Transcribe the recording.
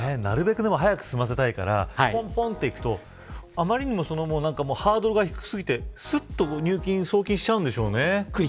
なるべく早く済ませたいからぽんぽんといくとあまりにもハードルが低すぎてすっと、入金、送金しちゃうんでしょうね。